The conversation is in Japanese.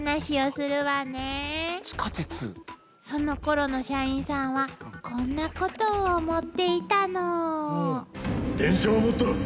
そのころの社員さんはこんなことを思っていたの。